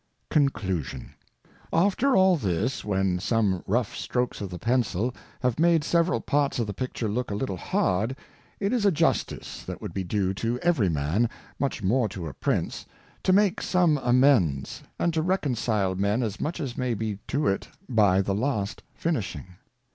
Conclusion. AFTER all this, when some rough Strokes of the Pencil have made several Parts of the Picture look a little hard, it is a Justice that would be due to every Man, much more to a Prince, to make some Amends, and to reconcile Men as much as may be to it by the last finishing.